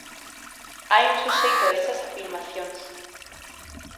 Hai un suxeito desas afirmacións.